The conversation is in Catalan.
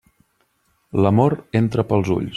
L'amor entra pels ulls.